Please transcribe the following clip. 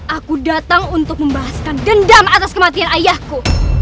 aku datang untuk membahaskan dendam atas kematian ayahku